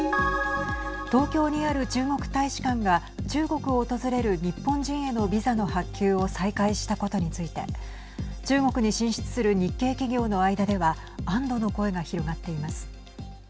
東京にある中国大使館が中国を訪れる日本人へのビザの発給を再開したことについて中国に進出する日系企業の間では安どの声が広がっています。